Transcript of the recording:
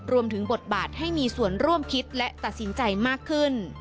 รวมถึงบทบาทให้มีส่วนร่วมคิดและตัดสินใจมากขึ้น